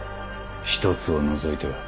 １つを除いては。